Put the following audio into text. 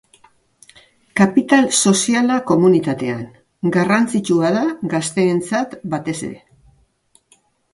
Kapital soziala komunitatean: garrantzitsua da gazteentzat batez ere.